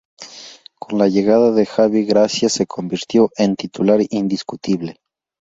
Con la llegada de Javi Gracia se convirtió en titular indiscutible.